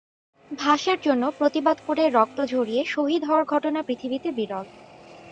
ভাষার জন্য প্রতিবাদ করে রক্ত ঝরিয়ে শহীদ হওয়ার ঘটনা পৃথিবীতে বিরল।